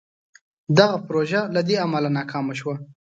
دغه پروژه له دې امله ناکامه شوه.